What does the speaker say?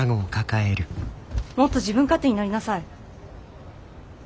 もっと自分勝手になりなさい。